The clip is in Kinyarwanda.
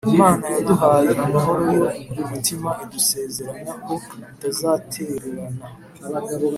Imana yaduhaye mahoro yo mu mutima idusezeranya ko itazatererana